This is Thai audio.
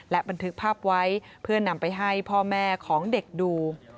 บันทึกภาพไว้เพื่อนำไปให้พ่อแม่ของเด็กดู